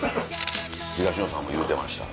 「東野さんも言うてました